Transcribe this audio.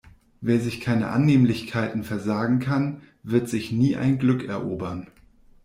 Wer sich keine Annehmlichkeiten versagen kann, wird sich nie ein Glück erobern.